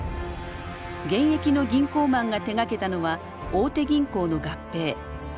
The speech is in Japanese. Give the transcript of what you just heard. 現役の銀行マンが手がけたのは大手銀行の合併。